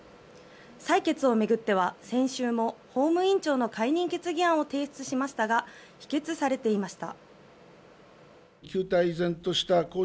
採決を巡っては先週も法務委員長の解任決議案を提出しましたが否決されていました。